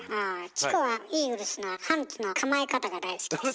チコはイーグルスのハーツの構え方が大好きです。